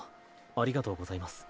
ありがとうございます。